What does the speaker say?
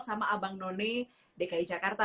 sama abang none dki jakarta